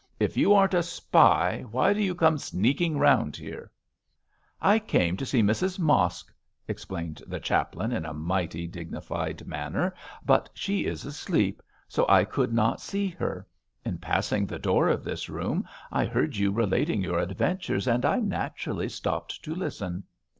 'If you aren't a spy why do you come sneaking round here?' 'I came to see Mrs Mosk,' explained the chaplain, in a mighty dignified manner, 'but she is asleep, so I could not see her. In passing the door of this room I heard you relating your adventures, and I naturally stopped to listen.'